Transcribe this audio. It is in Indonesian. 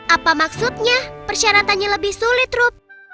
apa maksudnya persyaratannya lebih sulit rup